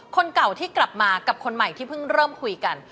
คนเก่าที่กลับมากับคนใหม่ที่เพิ่งเริ่มคุยกัน